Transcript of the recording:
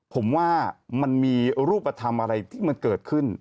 ผมว่ามันมีรูปธรรมอะไรที่มันเกิดขึ้น